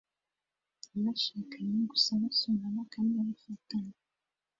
Abashakanye gusa basomana kandi bafatana